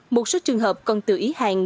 một số trường hợp còn tự ý hàng